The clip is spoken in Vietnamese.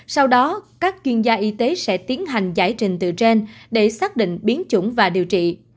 sau đó các chuyên gia y tế sẽ tiến hành giải trình từ trên để xác định biến chủng và điều trị